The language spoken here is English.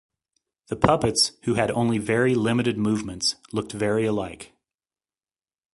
The puppets, who had only very limited movements, looked very alike.